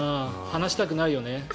離したくないよね。